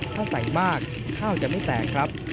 ถ้าใส่มากข้าวจะไม่แตกครับ